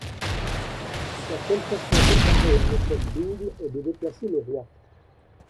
La seule façon de parer un échec double est de déplacer le roi.